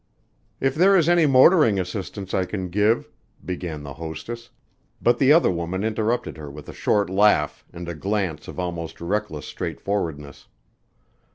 "If there is any motoring assistance I can give " began the hostess, but the other woman interrupted her with a short laugh and a glance of almost reckless straightforwardness.